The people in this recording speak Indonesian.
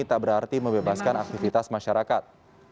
tak berarti membebaskan aktivitas masyarakat